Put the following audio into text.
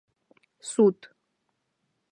Суд